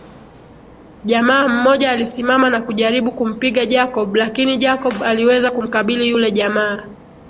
Jamaa mmoja alisimama na kujaribu kumpiga Jacob lakini Jacob aliweza kumkabili yule jamaa